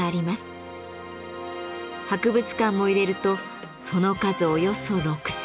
博物館も入れるとその数およそ６，０００。